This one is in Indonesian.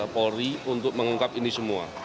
polri untuk mengungkap ini semua